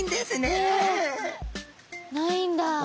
えないんだ。